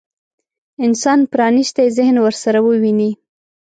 انسان پرانيستي ذهن ورسره وويني.